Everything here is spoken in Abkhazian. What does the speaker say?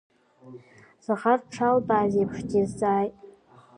Захар дшаалбаз еиԥш дизҵааит…